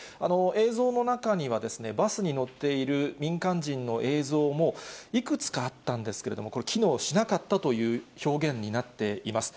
映像の中には、バスに乗っている民間人の映像もいくつかあったんですけれども、これ、機能しなかったという表現になっています。